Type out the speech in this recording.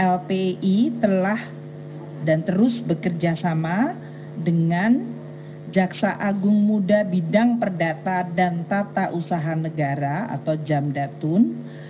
lpi telah dan terus bekerja sama dengan jaksa agung muda bidang perdata dan tata usaha negara atau jamdatun